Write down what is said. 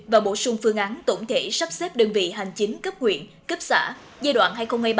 và bổ sung phương án tổng thể sắp xếp đơn vị hành chính cấp huyện cấp xã giai đoạn hai nghìn hai mươi ba hai nghìn ba mươi